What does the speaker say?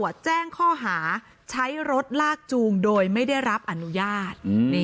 แจ้งข้อหาใช้รถลากจูงโดยไม่ได้รับอนุญาต